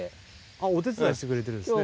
お手伝いしてくれてるんですね。